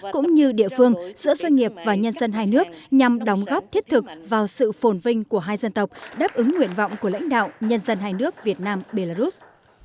cũng như địa phương giữa doanh nghiệp và nhân dân hai nước nhằm đóng góp thiết thực vào sự phồn vinh của hai dân tộc đáp ứng nguyện vọng của lãnh đạo nhân dân hai nước việt nam belarus